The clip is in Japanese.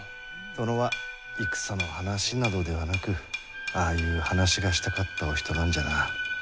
殿は戦の話などではなくああいう話がしたかったお人なんじゃな。